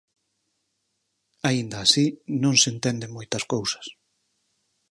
Aínda así, non se entenden moitas cousas.